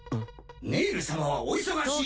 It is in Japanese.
ネイル様はお忙しい。